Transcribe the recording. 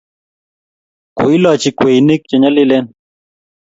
Koilachi kweinik che nyalilen